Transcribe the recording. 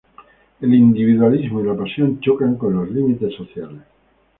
El individualismo y la pasión chocan con los límites sociales.